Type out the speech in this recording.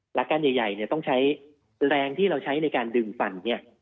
หลักการใหญ่ต้องใช้แรงที่เราใช้ในการดึงฟัน